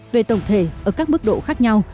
về tổng thể ở các mức độ khác nhau